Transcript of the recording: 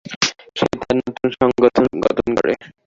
সে তার নতুন সংগঠন গঠন করে।